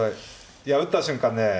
いや打った瞬間ね